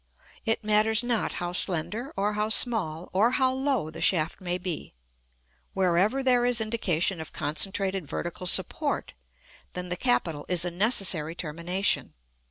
It matters not how slender, or how small, or how low, the shaft may be: wherever there is indication of concentrated vertical support, then the capital is a necessary termination.